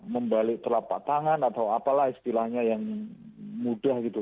membalik telapak tangan atau apalah istilahnya yang mudah gitu